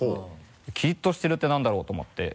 キリッとしてるってなんだろう？と思って。